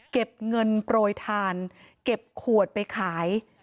เก็บเงินโปรยทานเก็บขวดไปขาย